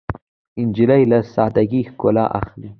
نجلۍ له سادګۍ ښکلا اخلي.